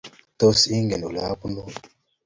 Tos, igeer olabunuu?